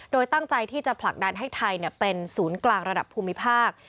โดยตั้งใจที่จะผลักดันให้ไทยเป็นศูนย์กลางระดับภูมิภาค